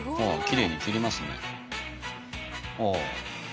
きれいに切りますねああ